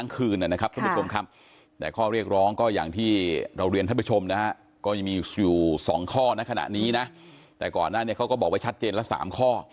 ก็บอกว่าชัดเจนละ๓ข้อ